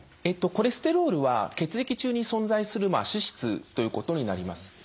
コレステロールは血液中に存在する脂質ということになります。